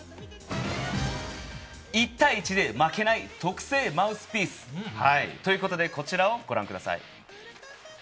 １対１で負けない特製マウスピース。ということで、こちらをご覧ください。